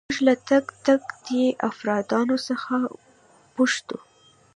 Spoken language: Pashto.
موږ له تک تک دې افرادو څخه پوښتو.